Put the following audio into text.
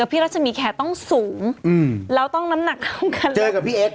กับพี่รัชมีแขกต้องสูงอืมเราต้องน้ำหนักเข้ากันเจอกับพี่เอ็กซ์